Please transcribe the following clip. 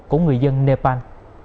của người dân nepal